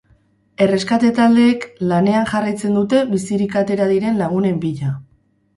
Erreskate-taldeek lanean jarraitzen dute bizirik atera diren lagunen bila.